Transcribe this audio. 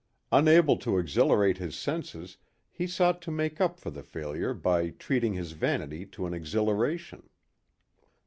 Unable to exhilarate his senses he sought to make up for the failure by treating his vanity to an exhilaration.